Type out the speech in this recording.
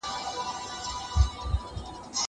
زه به سبا سندري اورم وم.